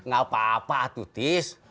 gak apa apa tuh tis